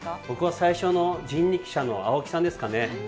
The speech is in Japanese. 僕は最初の人力車の青木さんですかね。